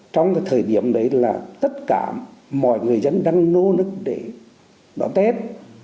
trong thời điểm đấy là tất cả mọi người dân đang nô nức để đón tết